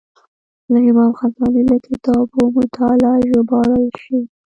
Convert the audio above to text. له امام غزالي له کتابو مطالب ژباړل شوي.